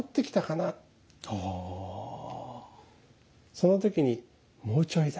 その時にもうちょいだ。